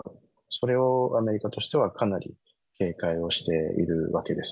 それをアメリカとしてはかなり警戒をしているわけです。